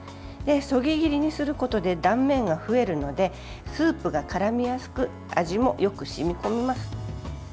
そぎ切りにすることで断面が増えるのでスープがからみやすく味もよく染み込みます。